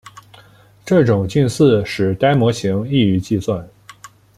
这种近似使该模型易于计算。